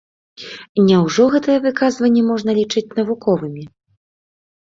Няўжо гэтыя выказванні можна лічыць навуковымі?